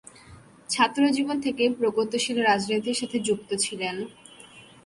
ছাত্রজীবন থেকেই প্রগতিশীল রাজনীতির সাথে যুক্ত ছিলেন।